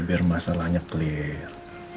biar masalahnya clear